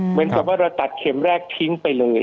เหมือนกับว่าเราตัดเข็มแรกทิ้งไปเลย